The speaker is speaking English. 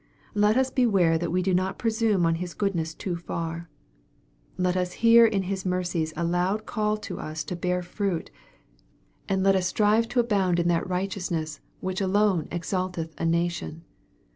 Let us beware that we do not presume on His goodness too far. Let us hear in His mercies a loud call to us to bear fruit, and let us strive to abound in that righteous* MARK, CHAP. XII. 249 ness which alone exalteth a nation.